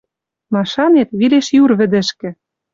Машанет, вилеш юр вӹдӹшкӹ.